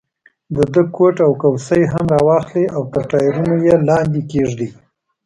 د ده کوټ او کوسۍ هم را واخلئ او تر ټایرونو یې لاندې کېږدئ.